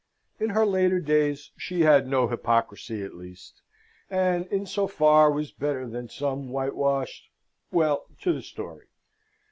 In her later days she had no hypocrisy, at least; and in so far was better than some whitewashed... Well, to the story.